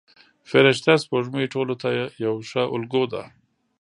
فرشته سپوږمۍ ټولو ته یوه ښه الګو ده.